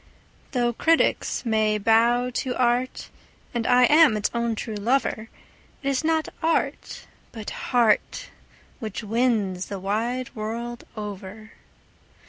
Though critics may bow to art, and I am its own true lover, It is not art, but heart, which wins the wide world over.